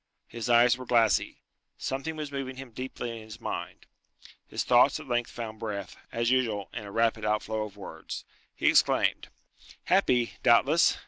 His eyes were glassy. Something was moving him deeply in his mind. His thoughts at length found breath, as usual, in a rapid outflow of words. He exclaimed, "Happy, doubtless!